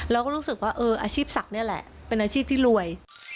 เราก็รู้สึกว่าเอออาชีพศักดิ์นี่แหละเป็นอาชีพที่รวย